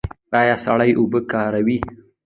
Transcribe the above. ایا سړې اوبه کاروئ؟